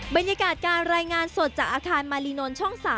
บรรยากาศการรายงานสดจากอาคารมารีนนท์ช่อง๓